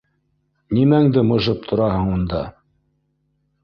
— Нимәңде мыжып тораһың унда!